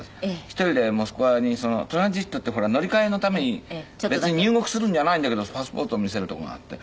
１人でモスクワにトランジットってほら乗り換えのために別に入国するんじゃないんだけどパスポートを見せる所があって。